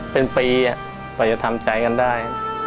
เป็นปีกว่าจะทำใจกันได้